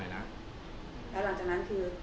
แล้วหลังจากนั้นคือ